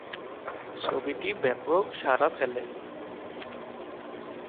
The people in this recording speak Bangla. ছবিটি ব্যাপক সারা ফেলে।